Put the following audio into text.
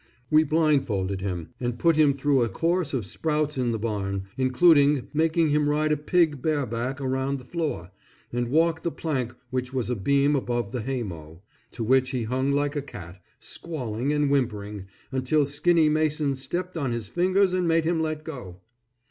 We blindfolded him, and put him through a course of sprouts in the barn, including making him ride a pig bareback around the floor, and walk the plank which was a beam above the hay mow, and to which he hung like a cat, squalling and whimpering, until Skinny Mason stepped on his fingers and made him let go.